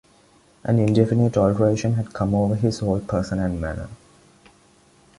An indefinite alteration had come over his whole person and manner.